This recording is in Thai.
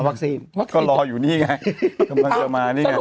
วักซีนก็รออยู่นี้ไง